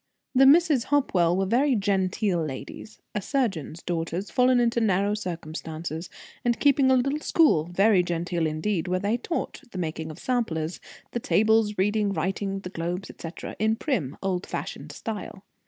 The Misses Hopwell were very genteel ladies; a surgeon's daughters, fallen into narrow circumstances, and keeping a little school, very genteel indeed, where they taught the making of samplers, the tables, reading, writing, the globes, etc., in prim, old fashioned style.